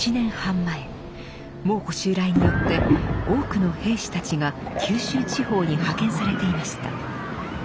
蒙古襲来によって多くの兵士たちが九州地方に派遣されていました。